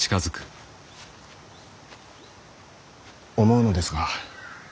思うのですが。